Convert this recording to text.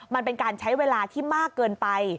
มันเป็นการใช้เวลาที่มากเกินไป